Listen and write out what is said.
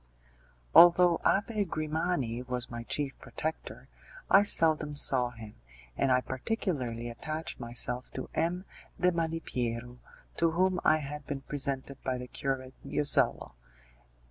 Although Abbé Grimani was my chief protector, I seldom saw him, and I particularly attached myself to M. de Malipiero, to whom I had been presented by the Curate Josello.